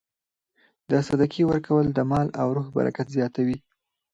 د صدقې ورکول د مال او روح برکت زیاتوي.